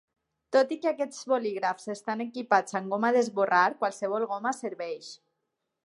Tot i que aquests bolígrafs estan equipats amb goma d'esborrar, qualsevol goma serveix.